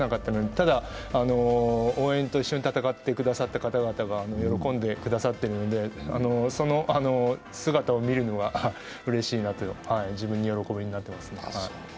ただ、応援と一緒に戦ってくださった方が喜んでくださっているのでその姿を見るのがうれしい、自分の喜びになってますね。